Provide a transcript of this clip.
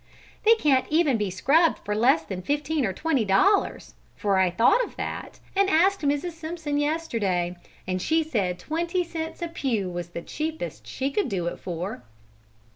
"They can't even be scrubbed for less than fifteen or twenty dollars, for I thought of that and asked Mrs. Simpson yesterday, and she said twenty cents a pew was the cheapest she could do it for."